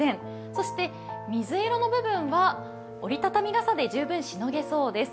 そして水色の部分は、折り畳み傘で十分しのげそうです。